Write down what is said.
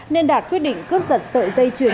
nên đạt quyết định cướp giật sợi dây chuyển